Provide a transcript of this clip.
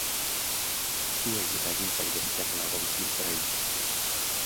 Zuei eta Cilkari esker nago bizirik oraindik.